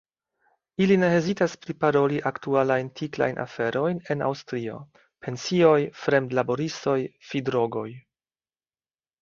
Ili ne hezitas priparoli aktualajn tiklajn aferojn en Aŭstrio: pensioj, fremdlaboristoj, fidrogoj.